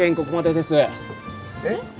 ここまでですえっ？